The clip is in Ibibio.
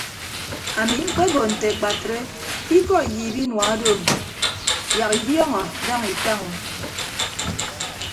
Ami mkpebo nte akpatre ke ikọ iyiip inua odoom yak idiọọñọ daña itaña o.